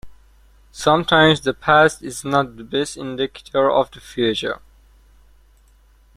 Sometimes the past is not the best indicator of the future.